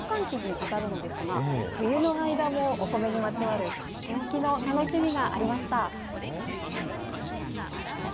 今は農閑期に当たるのですが、冬の間もお米にまつわる取って置きの楽しみがありました。